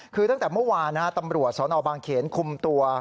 คือตั้งแต่เมื่อวานตำรวจสนบางเขนคุมตัว